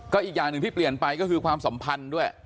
ก็อีกอย่างหนึ่งที่เปลี่ยนไปก็คือความสัมพันธ์ด้วย